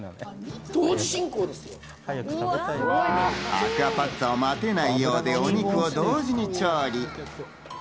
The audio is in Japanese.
アクアパッツァを待てないようで、お肉を同時に調理。